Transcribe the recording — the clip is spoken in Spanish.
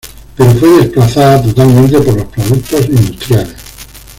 Pero fue desplazada totalmente por los productos industriales.